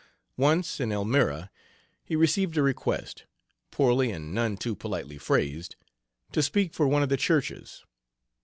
Once, in Elmira, he received a request, poorly and none too politely phrased, to speak for one of the churches.